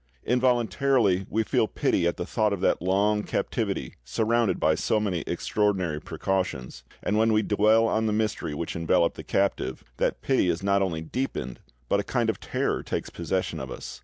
Involuntarily we feel pity at the thought of that long captivity surrounded by so many extraordinary precautions, and when we dwell on the mystery which enveloped the captive, that pity is not only deepened but a kind of terror takes possession of us.